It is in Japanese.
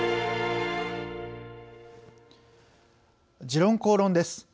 「時論公論」です。